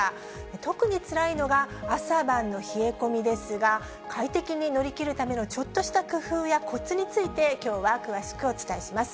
特につらいのが、朝晩の冷え込みですが、快適に乗り切るためのちょっとした工夫やこつについて、きょうは詳しくお伝えします。